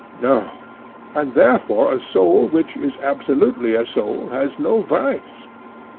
No. And therefore a soul which is absolutely a soul has no vice?